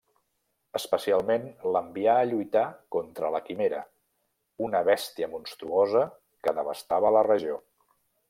Especialment l'envià a lluitar contra la Quimera, una bèstia monstruosa que devastava la regió.